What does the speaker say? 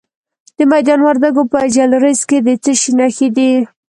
د میدان وردګو په جلریز کې د څه شي نښې دي؟